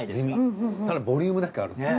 ただボリュームだけはあるんですよ。